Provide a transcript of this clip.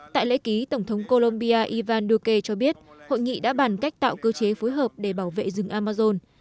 tại lễ ký tổng thống colombia ivan duque cho biết hội nghị đã bàn cách tạo cơ chế phối hợp để bảo vệ rừng amazon